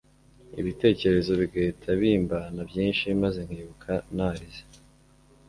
ibitekerezo bigahita bimbana byinshi maze nkibuka narize